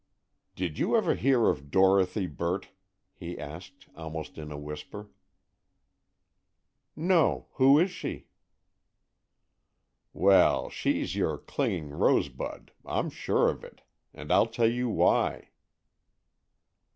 "Did you ever hear of Dorothy Burt?" he asked, almost in a whisper. "No; who is she?" "Well, she's your 'clinging rosebud,' I'm sure of it! And I'll tell you why."